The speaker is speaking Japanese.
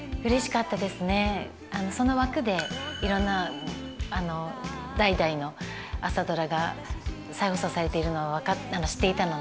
その枠でいろんな代々の「朝ドラ」が再放送されているのは知っていたので。